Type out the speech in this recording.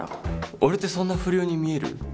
俺ってそんな不良に見える？